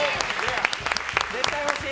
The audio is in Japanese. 絶対欲しい！